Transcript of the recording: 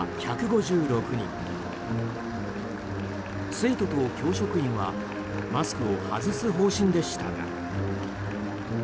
生徒と教職員はマスクを外す方針でしたが。